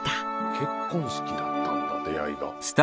結婚式だったんだ出会いが。